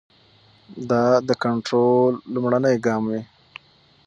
دا د کنټرول لومړنی ګام وي.